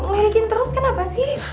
lelikin terus kenapa sih